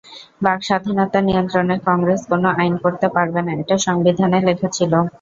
বাক্স্বাধীনতা নিয়ন্ত্রণে কংগ্রেস কোনো আইন করতে পারবে না, এটা সংবিধানে লেখা ছিল।